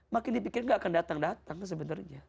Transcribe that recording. makin dipikir nggak akan datang datang sebenarnya